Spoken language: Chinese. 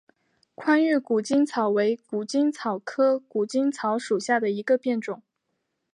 宽玉谷精草为谷精草科谷精草属下的一个变种。